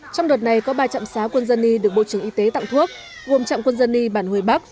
trong đợt này có ba trạm xá quân dân y được bộ trưởng y tế tặng thuốc gồm trạm quân dân y bản huế bắc